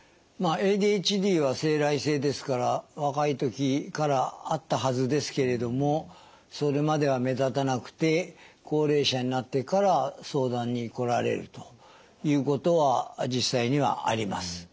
まあＡＤＨＤは生来性ですから若いときからあったはずですけれどもそれまでは目立たなくて高齢者になってから相談に来られるということは実際にはあります。